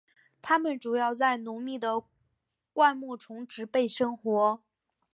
它们主要在浓密的灌木丛植被生活。